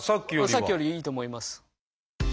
さっきよりいいと思います。